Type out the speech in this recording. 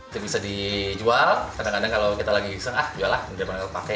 itu bisa dijual kadang kadang kalau kita lagi seng ah jual lah daripada kita pakai